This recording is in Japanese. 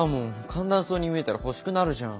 簡単そうに見えたら欲しくなるじゃん。